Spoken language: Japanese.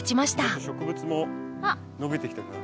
植物も伸びてきてるな。